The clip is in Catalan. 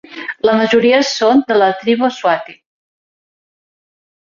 La majoria són de la tribu swati.